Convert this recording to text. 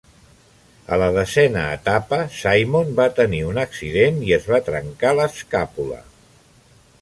A la desena etapa, Simon va tenir un accident i es va trencar l'escàpula.